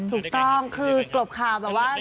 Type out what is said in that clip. ถูกต้องคือกลบข่าวแบบว่า